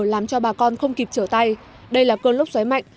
làm cho bà con không kịp trở tay đây là cơn lốc xoáy mạnh